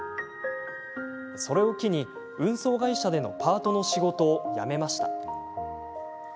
それを機に運送会社でのパートの仕事を辞めました。